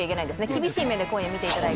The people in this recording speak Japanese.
厳しい目で今夜、見ていただいて。